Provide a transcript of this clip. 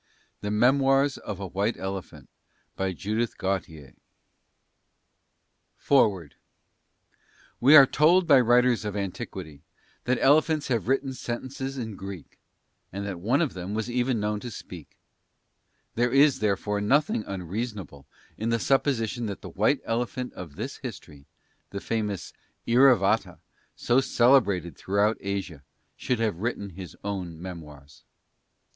H. Smith and S. B. Kite NEW YORK DUFFIELD & COMPANY FOREWORD (Avant propos) We are told by writers of antiquity that elephants have written sentences in Greek, and that one of them was even known to speak. There is, therefore, nothing unreasonable in the supposition that the White Elephant of this history, the famous "Iravata" so celebrated throughout Asia, should have written his own memoirs.